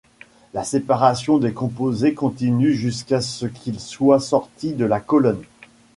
La séparation des composés continue jusqu’à ce qu’ils soient sortis de la colonne.